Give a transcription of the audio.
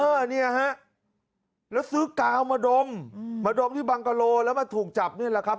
เออเนี่ยฮะแล้วซื้อกาวมาดมมาดมที่บังกะโลแล้วมาถูกจับนี่แหละครับ